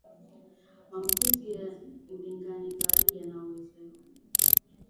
maambukizi ya ndigana bari yanavyoenezwa